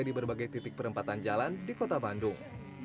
di berbagai titik perempatan jalan di kota bandung